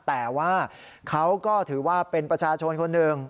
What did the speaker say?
แต่ว่าเขาก็ถือว่าเป็นประชาชนคนหนึ่ง